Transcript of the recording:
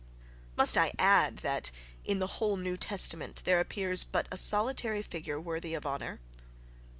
—Must I add that, in the whole New Testament, there appears but a solitary figure worthy of honour?